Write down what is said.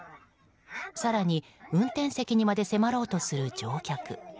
更に運転席にまで迫ろうとする乗客。